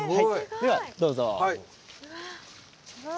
ではどうぞ。